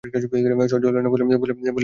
সহ্য হল না বলেই ছেড়ে এলাম না সকলকে?